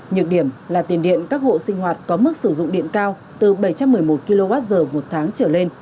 nhược điểm là tiền điện các hộ sinh hoạt có mức sử dụng điện cao từ bảy trăm một mươi một kwh một tháng trở lên